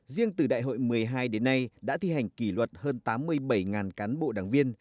riêng từ đại hội một mươi hai đến nay đã thi hành kỷ luật hơn tám mươi bảy cán bộ đảng viên